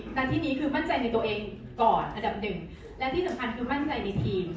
แต่ที่นี้คือมั่นใจในตัวเองก่อนอันดับหนึ่งและที่สำคัญคือมั่นใจในทีม